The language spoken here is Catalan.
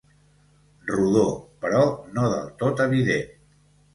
Rodó, però no del tot evident.